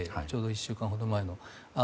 ちょうど１週間前の。